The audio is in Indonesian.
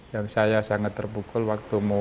yang saya sangat terpukul waktu mau